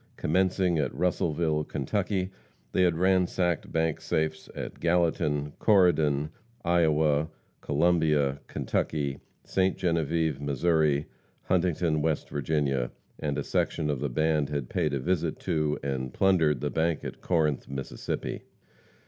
Commencing at Russellville, Kentucky, they had ransacked bank safes at Gallatin, Corydon, Iowa, Columbia, Kentucky, Ste. Genevieve, Mo., Huntington, West Virginia, and a section of the band had paid a visit to, and plundered the bank at Corinth, Mississippi.